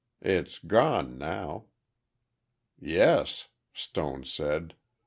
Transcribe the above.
It's gone now." "Yes," Stone said.